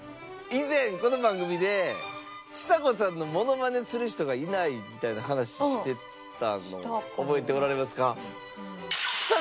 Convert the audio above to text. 以前この番組でちさ子さんのモノマネする人がいないみたいな話してたの覚えておられますか？